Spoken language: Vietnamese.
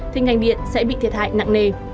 thì ngành điện sẽ bị thiệt hại nặng nề